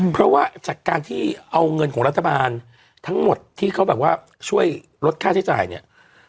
เพราะว่าจากการที่เอาเงินของรัฐบาลทั้งหมดที่เขาแบบว่าช่วยลดค่าใช้จ่ายเนี่ย